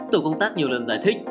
tổ công tác nhiều lần giải thích